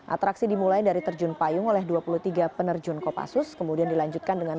atraksi dimulai dari terjun payung oleh dua puluh tiga penerjun kopassus kemudian dilanjutkan dengan